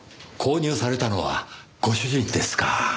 購入されたのはご主人ですか。